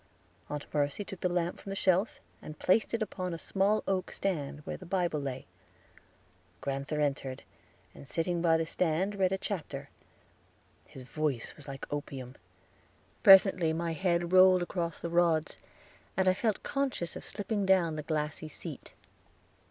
Aunt Mercy took the lamp from the shelf, and placed it upon a small oak stand, where the Bible lay. Grand'ther entered, and sitting by the stand read a chapter. His voice was like opium. Presently my head rolled across the rods, and I felt conscious of slipping down the glassy seat.